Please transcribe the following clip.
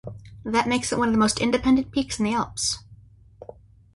That makes it one of the most independent peaks in the Alps.